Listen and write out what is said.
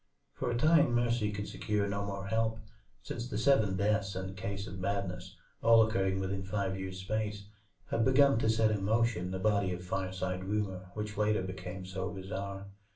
For a time Mercy could secure no more help, since the seven deaths and case of madness, all occurring within five years' space, had begun to set in motion the body of fireside rumor which later became so bizarre.